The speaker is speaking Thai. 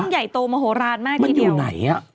ต้องใหญ่โตมโหราณมากทีเดียวมันอยู่ไหน